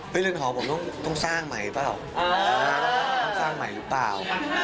เรือนหอผมต้องสร้างใหม่เปล่าต้องสร้างใหม่หรือเปล่า